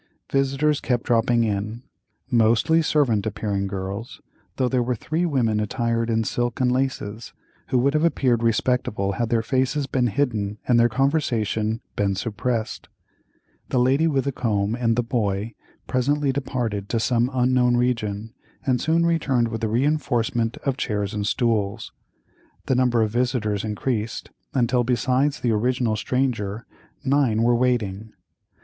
Visitors kept dropping in, mostly servant appearing girls, though there were three women attired in silk and laces, who would have appeared respectable had their faces been hidden and their conversation been suppressed. The lady with the comb and the boy presently departed to some unknown region, and soon returned with a reinforcement of chairs and stools. The number of visitors increased, until, besides the original stranger, nine were waiting.